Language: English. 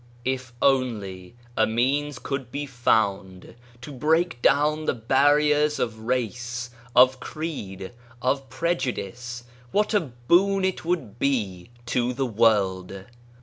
If only a means could be found to break down the barriers of race, of creed, of prejudice, what a boon it would be to the world